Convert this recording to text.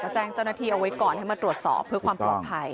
แจ้งเจ้าหน้าที่เอาไว้ก่อนให้มาตรวจสอบเพื่อความปลอดภัย